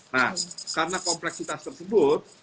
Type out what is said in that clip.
nah karena kompleksitas tersebut